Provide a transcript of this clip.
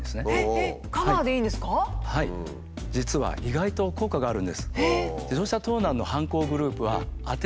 実は意外と効果があるんです。